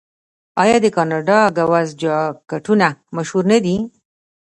آیا د کاناډا ګوز جاکټونه مشهور نه دي؟